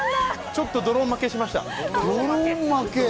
ちょっとドローン負けしました。